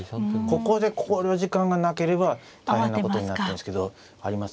ここで考慮時間がなければ大変なことになっちゃうんですけどありますね。